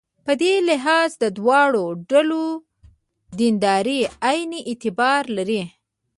په دې لحاظ د دواړو ډلو دینداري عین اعتبار لري.